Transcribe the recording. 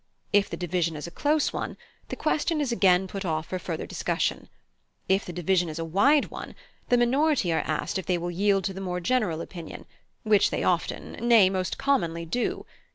If the division is a close one, the question is again put off for further discussion; if the division is a wide one, the minority are asked if they will yield to the more general opinion, which they often, nay, most commonly do.